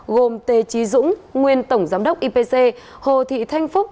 gồm tê trí dũng nguyên tổng giám đốc ipc hồ thị thanh phúc